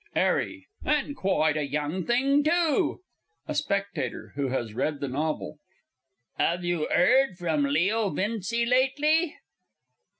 'ARRY. And quite a young thing, too! A SPECTATOR (who has read the Novel). 'Ave you 'eard from Leo Vincey lately?